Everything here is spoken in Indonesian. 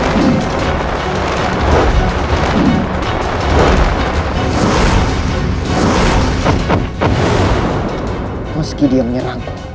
namun aku menyerangku